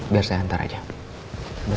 biar saya hantar aja